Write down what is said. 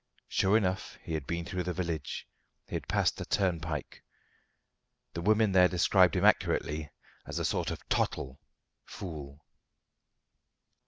Sure enough he had been through the village. He had passed the turnpike. The woman there described him accurately as "a sort of a tottle" (fool).